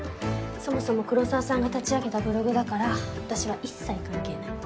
そもそも黒澤さんが立ち上げたブログだから私は一切関係ない。